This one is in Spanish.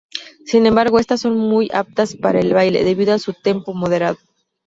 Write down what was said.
Sin embargo estas son muy aptas para el baile, debido a su tempo moderado.